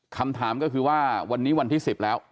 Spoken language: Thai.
คำถามก็คือว่าวันนี้วันที่๑๐แล้ว